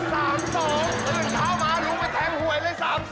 แล้วก็เท้าหมาลุงมาแทงหวยเลย๓๒